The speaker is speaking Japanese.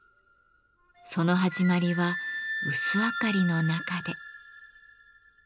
その始まりは薄明かりの中で。